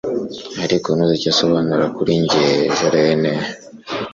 ariko ntuzi icyo asobanura kuri njye, jolene